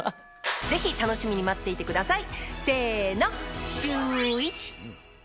ぜひ楽しみに待っていてください。